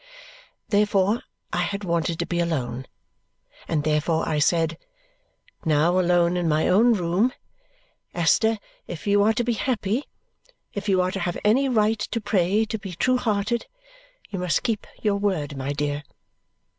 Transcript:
Therefore I had wanted to be alone, and therefore I said, now alone, in my own room, "Esther, if you are to be happy, if you are to have any right to pray to be true hearted, you must keep your word, my dear."